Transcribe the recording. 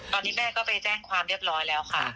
ตอนนี้แม่ก็ไปแจ้งความเรียบร้อยแล้วค่ะ